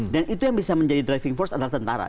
dan itu yang bisa menjadi driving force adalah tentara